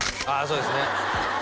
そうですね